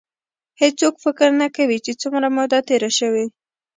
هېڅوک فکر نه کوي چې څومره موده تېره شي.